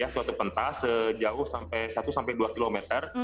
suatu pentas sejauh satu sampai dua kilometer